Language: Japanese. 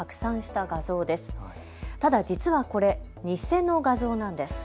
ただ実はこれ、偽の画像なんです。